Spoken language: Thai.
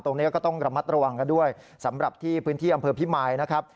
ตรงนี้ก็ต้องระมัดระวังกันด้วยสำหรับที่พื้นที่อำเภอพิมายนะครับ